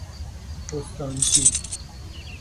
بستانچی